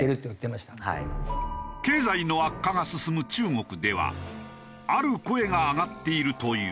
経済の悪化が進む中国ではある声が上がっているという。